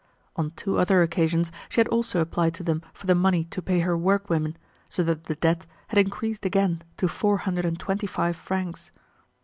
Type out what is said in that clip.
On two other occasions she had also applied to them for the money to pay her workwomen, so that the debt had increased again to four hundred and twenty five francs.